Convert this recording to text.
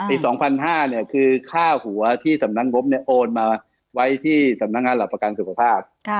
อีก๒๕๐๐เนี่ยคือค่าหัวที่สำนักงบโอนมาไว้ที่สำนักงานหลักประกันสุขภาพ